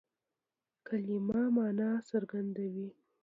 کلیمه مانا څرګندوي.